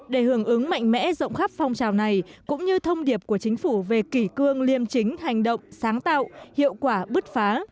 để hưởng ứng mạnh mẽ rộng khắp phong trào này cũng như thông điệp của chính phủ về kỷ cương liêm chính hành động sáng tạo hiệu quả bứt phá